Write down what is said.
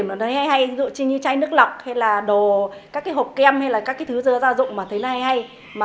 này dựa trên như chai nước lọc hay là đồ các cái hộp kem hay là các cái thứ ra dụng mà thấy hay mà